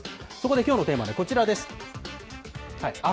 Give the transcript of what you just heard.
そこできょうのテーマは、こちらです。